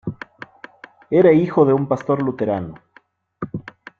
Era hijo de un pastor luterano.